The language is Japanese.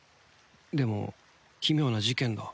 でも奇妙な事件だ